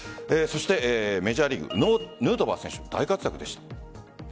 メジャーリーグヌートバー選手、大活躍でした。